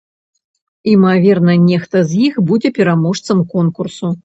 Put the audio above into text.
Імаверна, нехта з іх будзе пераможцам конкурсу.